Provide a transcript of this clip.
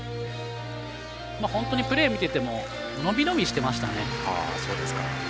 本当にプレーを見ていても伸び伸びしていましたね。